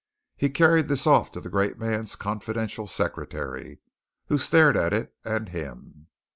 He carried this off to the great man's confidential secretary, who stared at it and him.